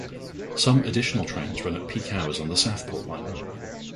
Some additional trains run at peak hours on the Southport line.